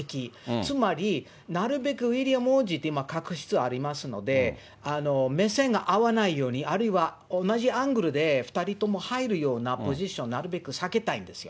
つまり、なるべくウィリアム王子って、今、確執ありますので、目線が合わないように、あるいは同じアングルで２人とも入るようなポジションをなるべく避けたいんですよ。